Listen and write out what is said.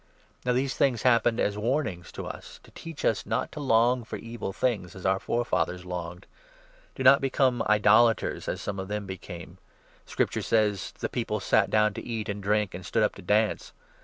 Now these things happened as warnings to us, to teach us 6 not to long for evil things as our forefathers longed. Do not 7 become idolaters, as some of them became. Scripture says — 4 The people sat down to eat and drink, and stood up to dance.'